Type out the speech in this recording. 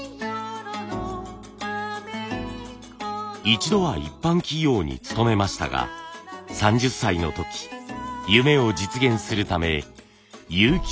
一度は一般企業に勤めましたが３０歳の時夢を実現するため結城紬の世界へ。